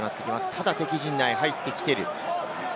ただ敵陣内に入ってきている。